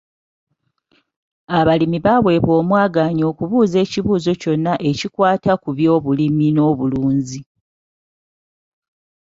Abalimi baweebwa omwagaanya okubuuza ekibuuzo kyonna ekikwata ku byobulimi n'obulunzi.